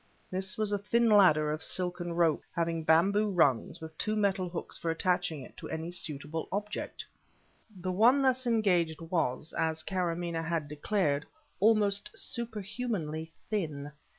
This was a thin ladder of silken rope, having bamboo rungs, with two metal hooks for attaching it to any suitable object. The one thus engaged was, as Karamaneh had declared, almost superhumanly thin.